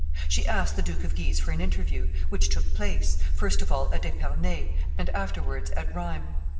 She asked the Duke of Guise for an interview, which took place, first of all at Epernay, and afterwards at Rheims.